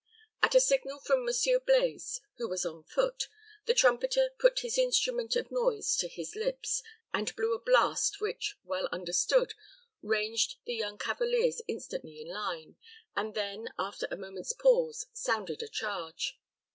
At a signal from Monsieur Blaize, who was on foot, the trumpeter put his instrument of noise to his lips, and blew a blast which, well understood, ranged the young cavaliers instantly in line, and then, after a moment's pause, sounded a charge.